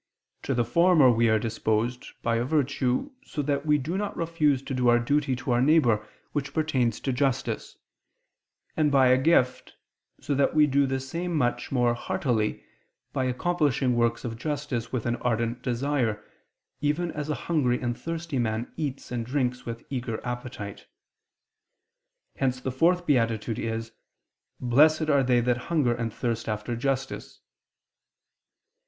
To the former we are disposed by a virtue, so that we do not refuse to do our duty to our neighbor, which pertains to justice and by a gift, so that we do the same much more heartily, by accomplishing works of justice with an ardent desire, even as a hungry and thirsty man eats and drinks with eager appetite. Hence the fourth beatitude is: "Blessed are they that hunger and thirst after justice."